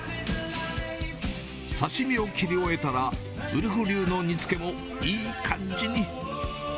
刺身を切り終えたら、ウルフ流の煮つけもいい感じに。